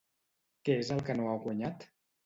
Què és el que no ha guanyat?